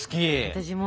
私も！